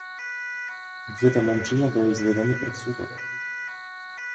Двете момчиња беа изведени пред судот.